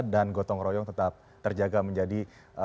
dan gotong royong tetap terjaga menjadi